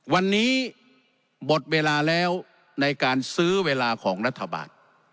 วันนี้หมดเวลาแล้วในการซื้อเวลาของรัฐบาล